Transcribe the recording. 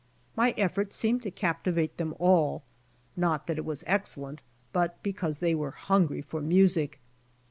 My effort seemed to captivate them all, not that it was excellent, but because they were hungry for music.